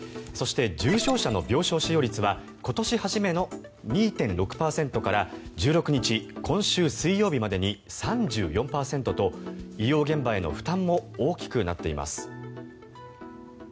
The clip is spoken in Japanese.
そして、重症者の病床使用率は今年初めの２．６％から１６日、今週水曜日までに３４％と医療現場の負担も大きくなっています。